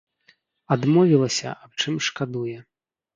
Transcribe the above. Адмовілася, аб чым шкадуе.